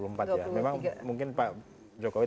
memang mungkin pak jokowi